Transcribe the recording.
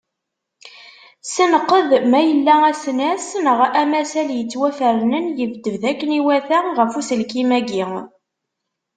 Senqed ma yella asnas neɣ amasal yettwafernen yebded akken iwata ɣef uselkim-agi.